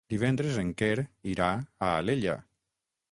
Divendres en Quer irà a Alella.